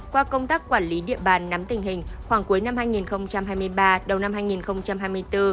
qua công tác quản lý địa bàn nắm tình hình khoảng cuối năm hai nghìn hai mươi ba đầu năm hai nghìn hai mươi bốn